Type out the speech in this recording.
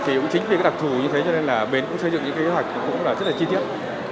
thì cũng chính vì cái đặc thù như thế cho nên là bến cũng xây dựng những kế hoạch cũng là rất là chi tiết